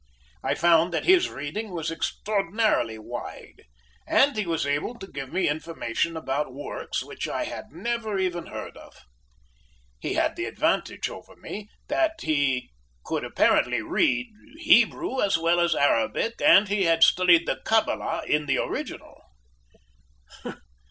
I found that his reading was extraordinarily wide, and he was able to give me information about works which I had never even heard of. He had the advantage over me that he could apparently read, Hebrew as well as Arabic, and he had studied the Kabbalah in the original."